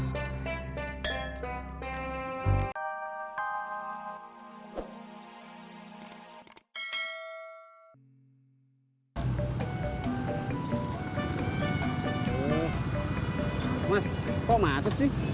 mas kok macet sih